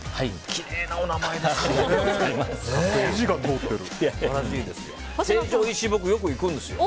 きれいなお名前ですね。